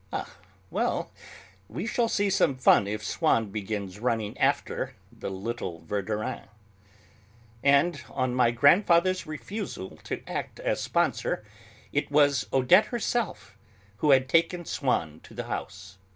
Ah, well, we shall see some fun if Swann begins running after the little Verdurins." And on my grandfather's refusal to act as sponsor, it was Odette herself who had taken Swann to the house.